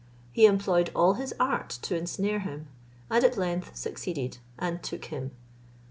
He employed all his art to ensnare him; and at length succeeded and took him.